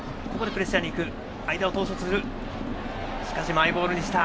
マイボールにした。